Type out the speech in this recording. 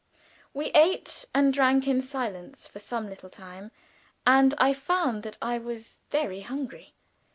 We ate and drank in silence for some little time, and I found that I was very hungry.